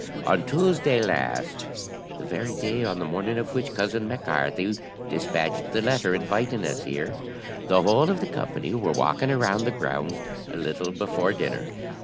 On Tuesday last, the very day on the morning of which cousin Mac Carthy despatched the letter inviting us here, the whole of the company were walking about the grounds a little before dinner.